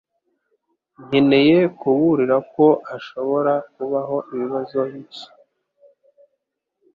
Nkeneye kuburira ko hashobora kubaho ibibazo bike.